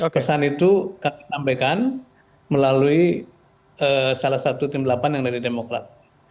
pesan itu kami sampaikan melalui salah satu tim delapan yang dari demokrat